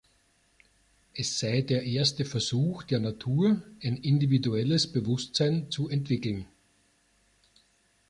Es sei der erste „Versuch“ der Natur, ein individuelles Bewusstsein zu entwickeln.